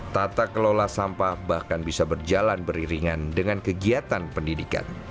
tata kelola sampah bahkan bisa berjalan beriringan dengan kegiatan pendidikan